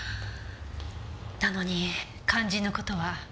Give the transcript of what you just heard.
なのに肝心な事は。